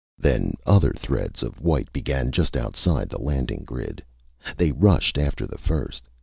Then other threads of white began just outside the landing grid. They rushed after the first.